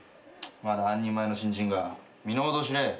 まだ半人前の新人が身の程を知れ。